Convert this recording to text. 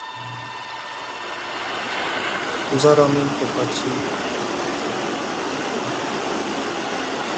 두 사람은 똑같이 마당에 내려서 문 밖으로 나왔다.